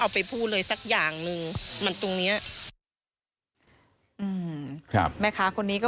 ไปพูดเลยสักอย่างหนึ่งมันตรงเนี้ยอืมครับแม่ค้าคนนี้ก็